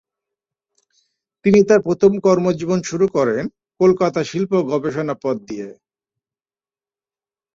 তিনি তার প্রথম কর্মজীবন শুরু করেন কলকাতা শিল্প গবেষণা পদ দিয়ে।